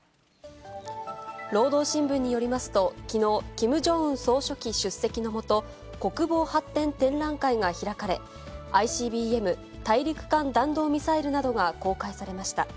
労働新聞によりますと、きのう、キム・ジョンウン総書記出席のもと、国防発展展覧会が開かれ、ＩＣＢＭ・大陸間弾道ミサイルなどが公開されました。